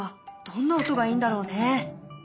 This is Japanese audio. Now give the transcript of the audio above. どんな音がいいんだろうね。